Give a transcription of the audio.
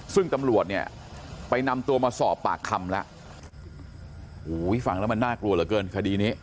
ซึ่งตำรวจเนี่ยไปนำตัวมาสอบปากคำแล้วโอ้โหฟังแล้วมันน่ากลัวเหลือเกินคดีนี้